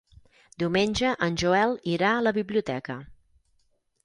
Diumenge en Joel irà a la biblioteca.